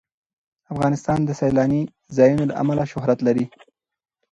افغانستان د سیلانی ځایونه له امله شهرت لري.